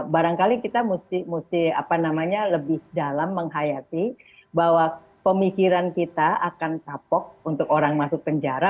barangkali kita mesti lebih dalam menghayati bahwa pemikiran kita akan kapok untuk orang masuk penjara